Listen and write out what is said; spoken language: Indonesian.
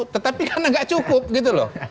tetapi karena nggak cukup gitu loh